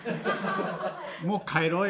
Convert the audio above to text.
もう帰ろうよ。